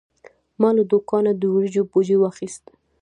ما له دوکانه د وریجو بوجي واخیست.